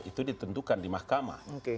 itu ditentukan di mahkamah